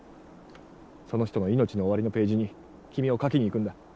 その人の命の終わりのページに君を書きに行くんだ。